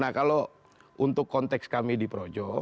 nah kalau untuk konteks kami di projo